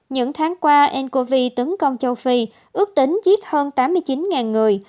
những tháng qua ncov tấn công châu phi ước tính chết hơn tám mươi chín người